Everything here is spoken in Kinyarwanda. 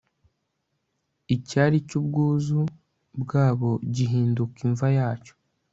Icyari cyubwuzu bwabo gihinduka imva yacyo